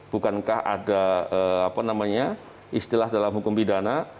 bukankah ada apa namanya istilah dalam hukum pidana